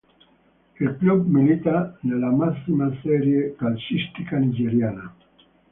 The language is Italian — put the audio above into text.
Il club milita nella massima serie calcistica nigeriana.